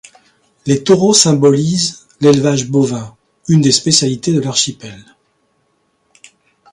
Les taureaux symbolisent l'élevage bovin, une des spécialités de l'archipel.